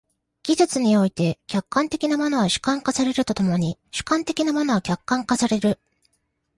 技術において、客観的なものは主観化されると共に主観的なものは客観化される。